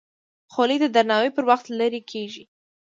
خولۍ د درناوي پر وخت لرې کېږي.